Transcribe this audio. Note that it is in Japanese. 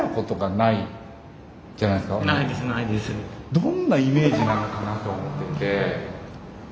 どんなイメージなのかなとは思ってて。